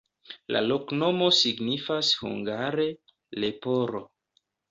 La loknomo signifas hungare: leporo.